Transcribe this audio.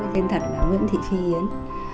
tên thật là nguyễn thị phi yến